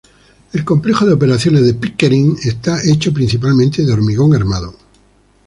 El Complejo de Operaciones de Pickering está hecho principalmente de hormigón armado.